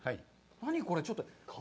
何これ。